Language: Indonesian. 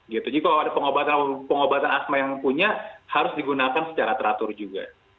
jadi kalau ada pengobatan asma yang punya harus digunakan secara teratur juga